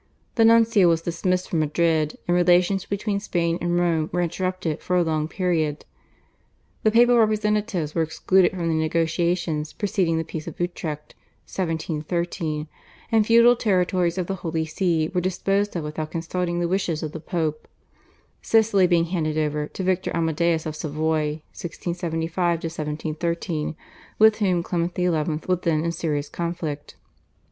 The nuncio was dismissed from Madrid and relations between Spain and Rome were interrupted for a long period; the papal representatives were excluded from the negotiations preceding the Peace of Utrecht (1713); and feudal territories of the Holy See were disposed of without consulting the wishes of the Pope, Sicily being handed over to Victor Amadeus of Savoy (1675 1713) with whom Clement XI. was then in serious conflict.